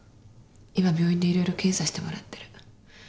今病院で色々検査してもらってる。